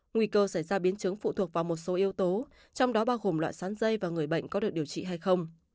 nguy cơ xảy ra biến chứng phụ thuộc vào một số yếu tố trong đó bao gồm loại sắn dây và người bệnh có được điều trị hay không